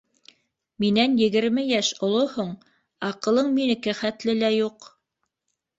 Минән егерме йәш олоһоң, аҡылың минеке хәтле лә юҡ.